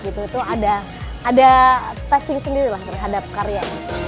ada yang melap gitu itu ada touching sendiri lah terhadap karya